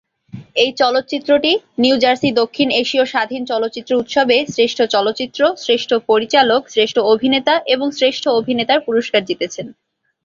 এই চলচ্চিত্রটি "New Jersey দক্ষিণ এশীয় স্বাধীন চলচ্চিত্র উৎসব"-এ শ্রেষ্ঠ চলচ্চিত্র, শ্রেষ্ঠ পরিচালক, শ্রেষ্ঠ অভিনেতা এবং শ্রেষ্ঠ অভিনেতার পুরস্কার জিতেছে।